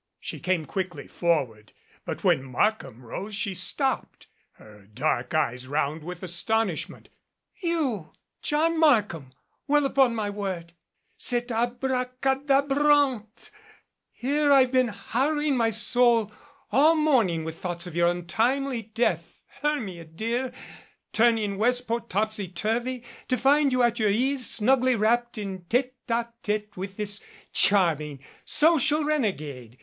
She came quickly forward, but when Markham rose she stopped, her dark eyes round with astonishment. "You ! John Markham ! Well, upon my word ! C'est dbracadabrant! Here I've been harrowing my soul all morning with thoughts of your untimely death, Hermia, dear, turning Westport topsy turvy, to find you at your ease snugly wrapped in tete h tete with this charming social renegade.